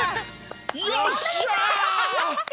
よっしゃ！